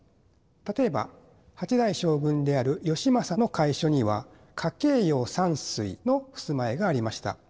例えば８代将軍である義政の会所には夏珪様山水の襖絵がありました。